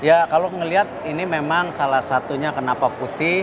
ya kalau melihat ini memang salah satunya kenapa putih